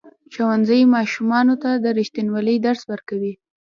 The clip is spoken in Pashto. ښوونځی ماشومانو ته د ریښتینولۍ درس ورکوي.